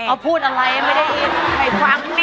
เอ้าพูดอะไรไม่ได้ยิน